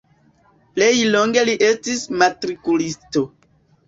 Plej longe li estis matrikulisto.